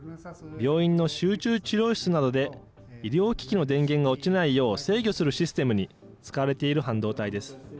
病院の集中治療室などで、医療機器の電源が落ちないよう、制御するシステムに使われている半導体です。